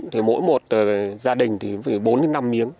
thì mỗi một gia đình thì phải bốn đến năm miếng